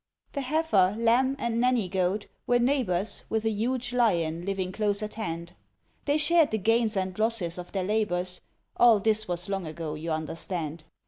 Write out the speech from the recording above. The Heifer, Lamb, and Nanny goat were neighbours, With a huge Lion living close at hand, They shared the gains and losses of their labours (All this was long ago, you understand).